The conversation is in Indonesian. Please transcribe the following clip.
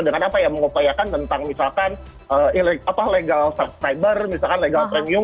dengan apa ya mengupayakan tentang misalkan legal subscriber misalkan legal premium